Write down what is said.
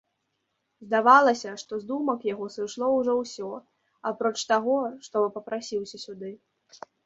Здавалася, што з думак яго сышло ўжо ўсё, апроч таго, што папрасіўся сюды.